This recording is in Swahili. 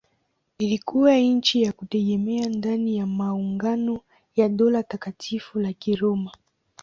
Ilikuwa nchi ya kujitegemea ndani ya maungano ya Dola Takatifu la Kiroma.